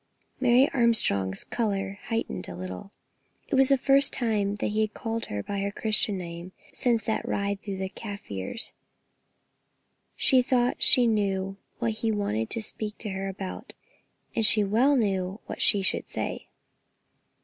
Mary Armstrong's colour heightened a little. It was the first time he had called her by her Christian name since that ride through the Kaffirs. She thought she knew what he wanted to speak to her about, and she well knew what she should say.